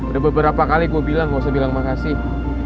udah beberapa kali gue bilang gak usah bilang makasih